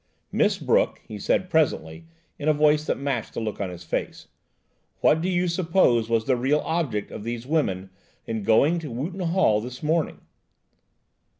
"Miss Brooke," he said presently, in a voice that matched the look on his face, "what do you suppose was the real object of these women in going to Wootton Hall this morning?"